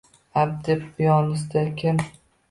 Abdi piyonista kim